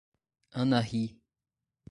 Anahy